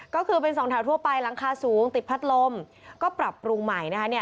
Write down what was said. ก็คือเป็นสองแถวทั่วไปหลังคาสูงติดพัดลมก็ปรับปรุงใหม่นะคะ